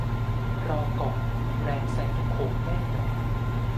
รอ ก่อน แรงแซงทุกโค้งแน่นอน